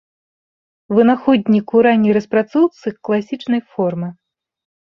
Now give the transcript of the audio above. Вынаходнік у ранняй распрацоўцы класічнай формы.